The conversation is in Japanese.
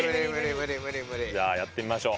じゃあやってみましょう。